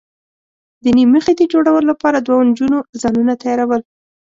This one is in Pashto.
د نیم مخي د جوړولو لپاره دوو نجونو ځانونه تیاراول.